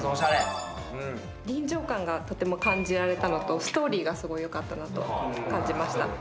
臨場感が感じられたのとストーリーがすごいよかったなと感じました。